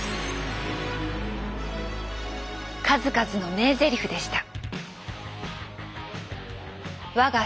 数々の名ゼリフでした。